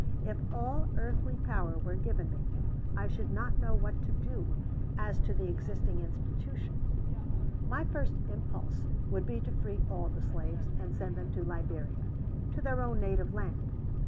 If all earthly power were given me, I should not know what to do as to the existing institution. My first impulse would be to free all the slaves, and send them to Liberia, to their own native land.